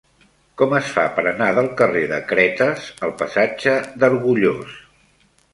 Com es fa per anar del carrer de Cretes al passatge d'Argullós?